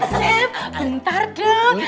seb bentar dong